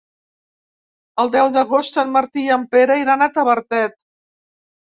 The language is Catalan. El deu d'agost en Martí i en Pere iran a Tavertet.